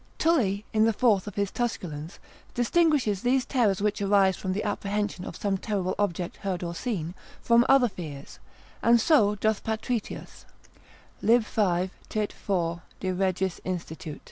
Tully, in the fourth of his Tusculans, distinguishes these terrors which arise from the apprehension of some terrible object heard or seen, from other fears, and so doth Patritius lib. 5. Tit. 4. de regis institut.